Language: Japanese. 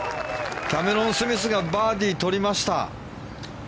キャメロン・スミスがバーディー取りました。